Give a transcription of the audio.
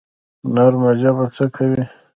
نرمه ژبه څه کوي؟